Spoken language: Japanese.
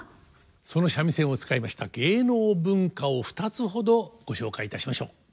その三味線を使いました芸能文化を２つほどご紹介いたしましょう。